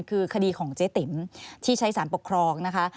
คือคดีของเจ๊ติ๋มที่ใช้สารปกครองนะคะ